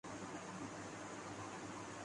اور وقت گزرنا اور درجن دورہ ذرائع ہونا